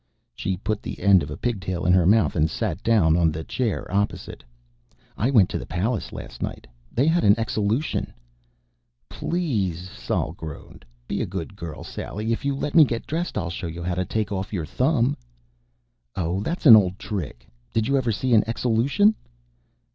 She put the end of a pigtail in her mouth and sat down on the chair opposite. "I went to the palace last night. They had an exelution." "Please," Sol groaned. "Be a good girl, Sally. If you let me get dressed, I'll show you how to take your thumb off." "Oh, that's an old trick. Did you ever see an exelution?"